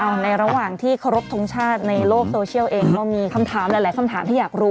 เอาในระหว่างที่เคารพทงชาติในโลกโซเชียลเองก็มีคำถามหลายคำถามที่อยากรู้